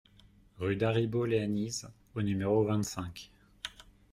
Rue Daribo Leanise au numéro vingt-cinq